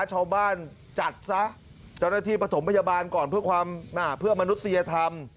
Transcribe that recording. ชาวบ้านจัดซะเจ้าหน้าที่ประถมพยาบาลก่อนเพื่อความเพื่อมนุษยธรรม